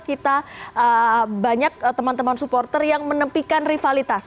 kita banyak teman teman supporter yang menepikan rivalitas